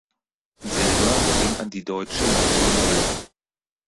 Silber ging an die Deutsche Nadine Müller.